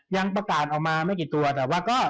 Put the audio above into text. ยังประกาศออกมาไม่กี่ตัวแต่ว่าก็